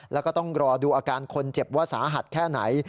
แล้วก็ต้องรอดูอาการคนเจ็บว่าสาหัสแค่ไหน